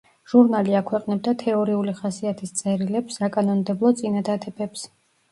ჟურნალი აქვეყნებდა თეორიული ხასიათის წერილებს, საკანონმდებლო წინადადებებს.